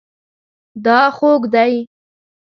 دا خوږ دی